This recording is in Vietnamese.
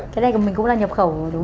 cái này mình cũng là nhập khẩu đúng không